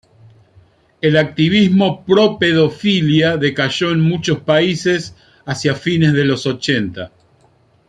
El activismo pro-pedofilia decayó en muchos países hacia fines de los ochenta.